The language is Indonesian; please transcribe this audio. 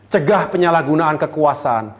cegah penyalahgunaan kekuasaan